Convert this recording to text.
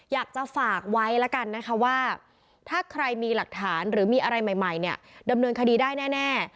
อยากจะฝากไว้แล้วกันนะคะว่าถ้าใครมีหลักฐานหรือมีอะไรใหม่เนี่ยดำเนินคดีได้แน่